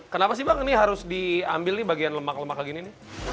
kenapa sih bang ini harus diambil nih bagian lemak lemak kayak gini nih